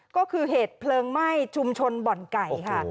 ก็คือเหตุเพลิงไหม้ชุมชนบ่อนไก่ค่ะ